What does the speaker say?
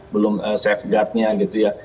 belum safeguardnya gitu ya